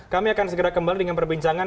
kami akan segera kembali dengan perbincangan